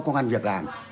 công an việc làm